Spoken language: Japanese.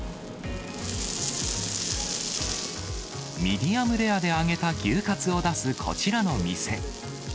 ミディアムレアで揚げた牛かつを出すこちらの店。